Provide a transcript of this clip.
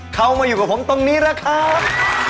เข้ามาอยู่กับผมตรงนี้แหละครับ